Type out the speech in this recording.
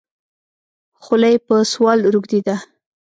خوله یې په سوال روږده ده.